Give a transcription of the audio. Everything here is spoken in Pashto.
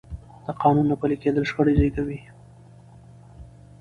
د قانون نه پلي کېدل شخړې زېږوي